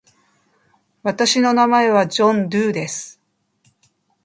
私の名前はジョン・ドゥーです。